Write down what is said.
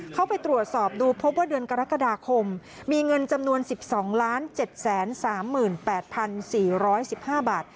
เข้าไปตรวจสอบดูพบว่าเดือนกรกฎาคมมีเงินจำนวนสิบสองล้านเจ็ดแสนสามหมื่นแปดพันสี่ร้อยสิบห้าบาท